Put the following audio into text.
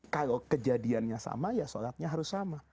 kalau kejadiannya sama ya sholatnya harus sama